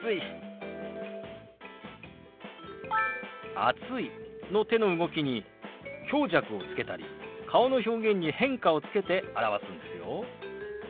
「暑い」の手の動きに強弱をつけたり顔の表現に変化をつけて表すんですよ。